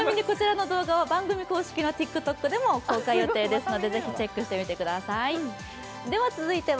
こちらの動画は番組公式のＴｉｋＴｏｋでも公開予定ですのでぜひチェックしてみてください。